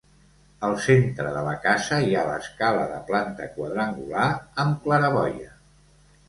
Al centre de la casa hi ha l'escala de planta quadrangular amb claraboia.